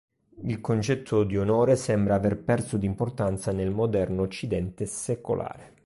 Il concetto di onore sembra aver perso di importanza nel moderno occidente secolare.